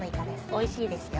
おいしいですよ。